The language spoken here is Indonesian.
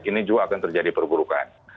ini juga akan terjadi perburukan